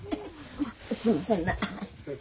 すいませんな。